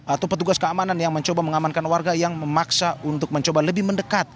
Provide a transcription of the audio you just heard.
atau petugas keamanan yang mencoba mengamankan warga yang memaksa untuk mencoba lebih mendekat